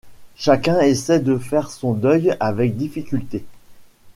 Chacun essaie de faire son deuil avec difficulté.